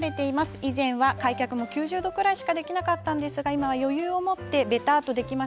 以前は開脚も９０度くらいしかできなかったんですが今は余裕を持ってべたーっとできます。